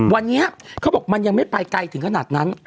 วันนี้เขาบอกมันยังไม่ไปไกลถึงขนาดนั้น